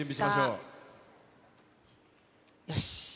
よし。